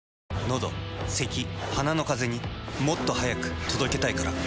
のどせき鼻のカゼにもっと速く届けたいから。